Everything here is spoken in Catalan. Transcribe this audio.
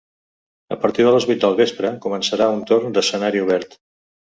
A partir de les vuit del vespre començarà un torn d’escenari obert.